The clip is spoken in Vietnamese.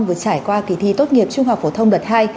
vừa trải qua kỳ thi tốt nghiệp trung học phổ thông đợt hai